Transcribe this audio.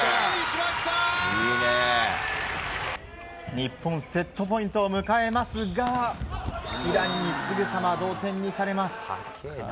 日本セットポイントを迎えますがイランにすぐさま同点にされます。